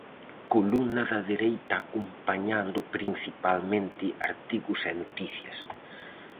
Columna da dereita acompañando principalmente artigos e noticias.